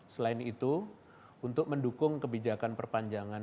selain itu untuk mendukung kebijakan perpanjangan